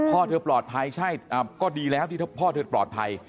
พ่อเธอปลอดภัยใช่ก็ดีแล้วที่พ่อเธอปลอดภัย